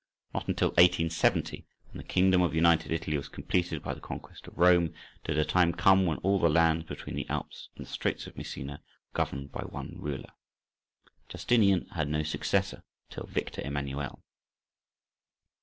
Not till 1870, when the kingdom of United Italy was completed by the conquest of Rome, did a time come when all the lands between the Alps and the Straits of Messina were governed by one ruler. Justinian had no successor till Victor Emmanuel.